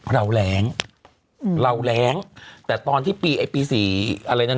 เราแร้งเราแร้งแต่ตอนที่ปี๔อะไรนั่นน่ะ